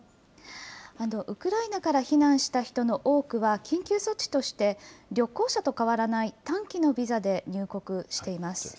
ウクライナから避難した人の多くは緊急措置として、旅行者と変わらない短期のビザで入国しています。